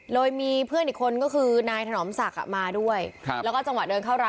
เลยมีเพื่อนอีกคนก็คือนายถนอมศักดิ์มาด้วยครับแล้วก็จังหวะเดินเข้าร้าน